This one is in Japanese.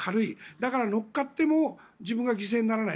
だから、乗っかっても自分が犠牲にならない。